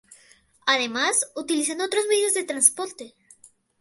Además, utilizan otros medios de transporte.